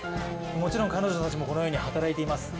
もちろん彼女たちもこのように働いています。